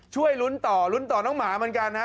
ช่วยลุ้นต่อลุ้นต่อน้องหมาเหมือนกันฮะ